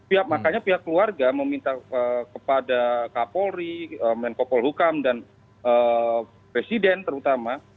ya makanya pihak keluarga meminta kepada kapolri menkopol hukam dan presiden terutama